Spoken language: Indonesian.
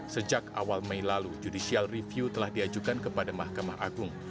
sejak awal mei lalu judicial review telah diajukan kepada mahkamah agung